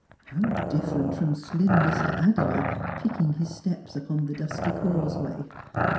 How different from slim little Mr. Adderley, picking his steps upon the dusty causeway.